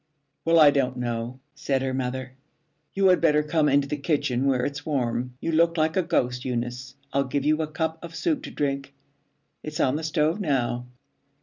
'Well, I don't know,' said her mother. 'You had better come into the kitchen where it's warm. You look like a ghost, Eunice. I'll give you a cup of soup to drink. It's on the stove now.'